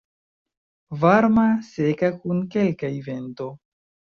Varma, seka kun kelkaj vento.